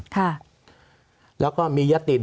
สวัสดีครับทุกคน